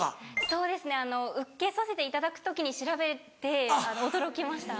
そうですね受けさせていただく時に調べて驚きました。